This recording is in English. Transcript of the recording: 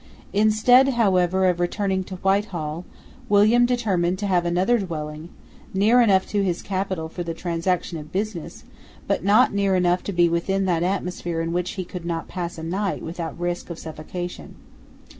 Instead, however, of returning to Whitehall, William determined to have another dwelling, near enough to his capital for the transaction of business, but not near enough to be within that atmosphere in which he could not pass a night without risk of suffocation.